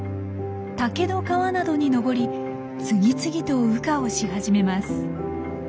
竹の皮などに登り次々と羽化をし始めます。